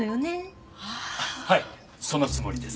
はいそのつもりです。